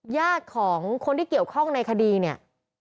ญาติของคนที่เกี่ยวข้องในคดีเนี่ย